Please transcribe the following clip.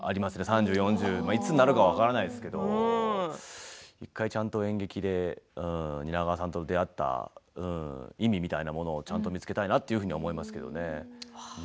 三十いくつになるか分かりませんけれど１回ちゃんと演劇で蜷川さんと出会った意味みたいなものをちゃんと見つけたいなと思いますけれどもね。